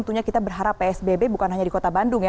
tentunya kita berharap psbb bukan hanya di kota bandung ya